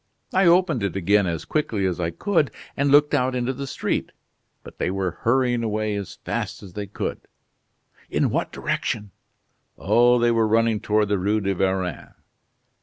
I opened it again as quickly as I could and looked out into the street. But they were hurrying away as fast as they could." "In what direction?" "Oh! they were running toward the Rue de Varennes."